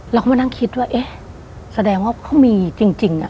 เราก็มานั่งคิดว่าเอ๊ะแสดงว่าเขามีจริง